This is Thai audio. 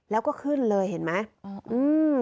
แล้วก็ขึ้นเลยเห็นไหม